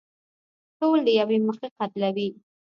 ټول له يوې مخې قتلوي.